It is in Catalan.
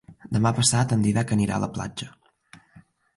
Demà passat en Dídac anirà a la platja.